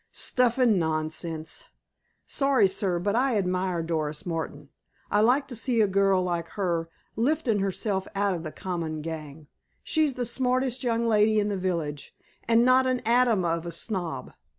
"Stuff an' nonsense! Sorry, sir, but I admire Doris Martin. I like to see a girl like her liftin' herself out of the common gang. She's the smartest young lady in the village, an' not an atom of a snob.